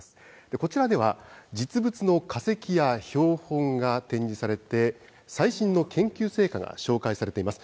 こちらでは、実物の化石や標本が展示されて、最新の研究成果が紹介されています。